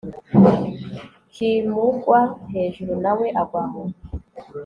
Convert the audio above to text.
kimugwa hejuru na we agwa aho